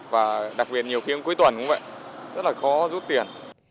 và đặc biệt nhiều khi cũng cuối tuần cũng vậy rất là khó rút tiền